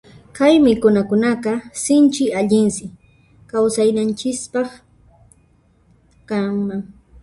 Kay mikhunakunaqa sinchi allinsi kawsayninchispaq kanman.